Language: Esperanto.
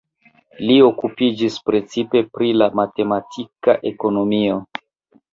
Li okupiĝis precipe pri la matematika ekonomio.